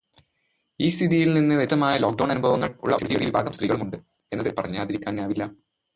ഈ സ്ഥിതിയിൽ നിന്ന് വ്യത്യസ്തമായ ലോക്ക്ഡൗൺ അനുഭവങ്ങൾ ഉള്ള ഒരു ചെറിയ വിഭാഗം സ്ത്രീകളുമുണ്ട് എന്നത് പറയാതിരിക്കാനാവില്ല.